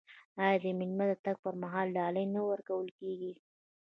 آیا د میلمه د تګ پر مهال ډالۍ نه ورکول کیږي؟